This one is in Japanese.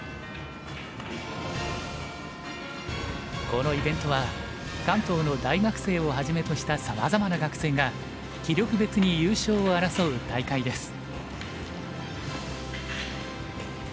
このイベントは関東の大学生をはじめとしたさまざまな学生が棋力別に優勝を争う大会です。